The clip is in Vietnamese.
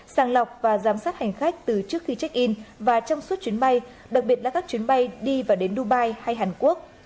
sàng lọc và giám sát hành khách từ trước khi check in và trong suốt chuyến bay đặc biệt là các chuyến bay đi và đến dubai hay hàn quốc